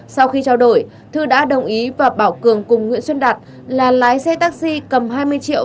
sau khi trao đổi thư đã đồng ý và bảo cường cùng nguyễn xuân đạt là lái xe taxi cầm hai mươi triệu